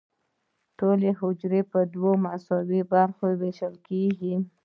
ټوله حجره په دوه مساوي برخو ویشل کیږي.